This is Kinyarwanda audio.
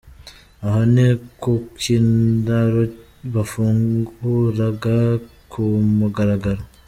Aha ni ku kiraro bafunguraga ku mugaragaro.